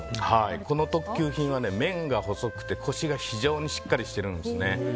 この特級品は麺が細くてコシが非常にしっかりしてるんですね。